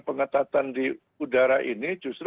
pengetatan di udara ini justru